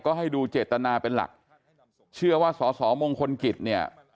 ก็ให้ดูเจตนาเป็นหลักเชื่อว่าสอสอมงคลกิจเนี่ย